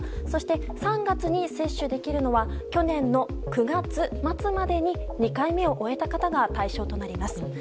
そして、３月に接種できるのは去年の９月末までに２回目を終えた方が対象となります。